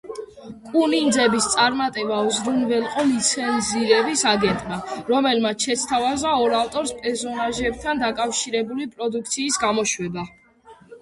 კუ ნინძების წარმატება უზრუნველყო ლიცენზირების აგენტმა, რომელმაც შესთავაზა ორ ავტორს პერსონაჟებთან დაკავშირებული პროდუქციის გამოშვება.